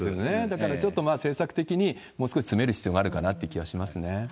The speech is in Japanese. だからちょっと政策的に、もう少し詰める必要があるかなという気はしますね。